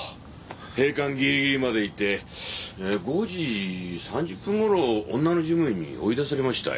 閉館ぎりぎりまでいて５時３０分ごろ女の事務員に追い出されましたよ。